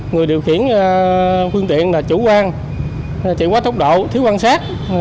người điều khiển phương tiện là chủ quan chạy quá tốc độ thiếu quan sát